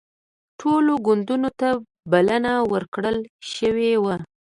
ټولو ګوندونو ته بلنه ورکړل شوې وه